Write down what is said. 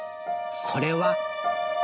それは。